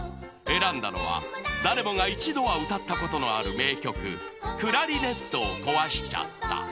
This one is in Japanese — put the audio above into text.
［選んだのは誰もが一度は歌ったことのある名曲『クラリネットをこわしちゃった』］